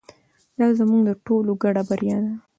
دا زموږ د ټولو ګډه بریا ده.